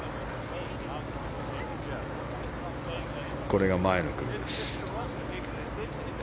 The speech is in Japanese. これが前の組です。